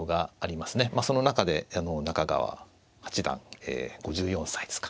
まあその中で中川八段５４歳ですか。